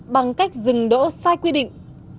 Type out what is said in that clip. bằng cách dừng đỗ sai quy định